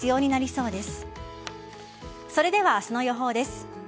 それでは明日の予報です。